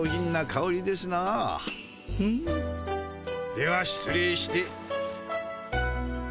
では失礼して。